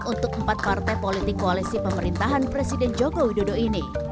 untuk empat partai politik koalisi pemerintahan presiden joko widodo ini